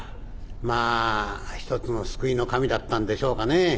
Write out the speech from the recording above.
まあひとつの救いの神だったんでしょうかねぇ。